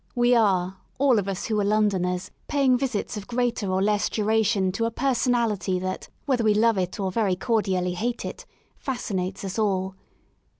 We are, all of us who are Londoners, paying visits of greater or less duration to a Personality that, whether we love it or very cordially hate it, fascinates us all.